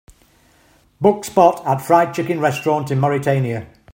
Book spot at Fried chicken restaurant in Mauritania